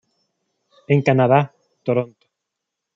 En Canadá, Toronto.